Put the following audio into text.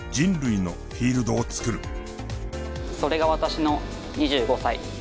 それが私の２５歳。